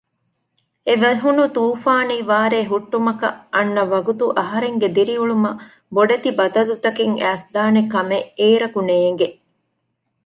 އެވެހުނު ތޫފާނީ ވާރޭ ހުއްޓުމަކަށް އަންނަ ވަގުތު އަހަރެންގެ ދިރިއުޅުމަށް ބޮޑެތި ބަދަލުތަކެއް އައިސްދާނެކަމެއް އޭރަކު ނޭނގެ